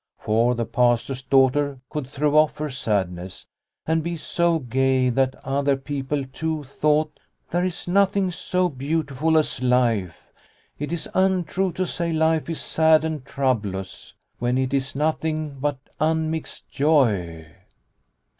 For the Pastor's daughter could throw off her sadness, and be so gay that other people too thought, " There is nothing so beautiful as life ; it is untrue to say life is sad and troublous, when it is nothing but unmixed joy."